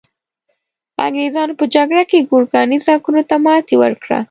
انګریزانو په جګړه کې ګورکاني ځواکونو ته ماتي ورکړه.